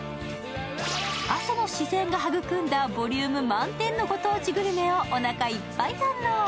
阿蘇の自然が育んだボリューム満点のご当地グルメをおなかいっぱい堪能。